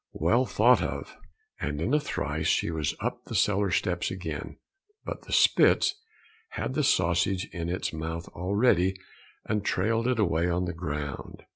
Well thought of." And in a trice she was up the cellar steps again, but the Spitz had the sausage in its mouth already, and trailed it away on the ground.